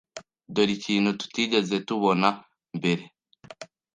Dore ikintu tutigeze tubona mbere.